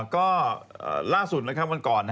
ก็ล่าสุดนะครับวันก่อน